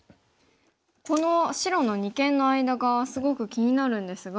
この白の二間の間がすごく気になるんですが。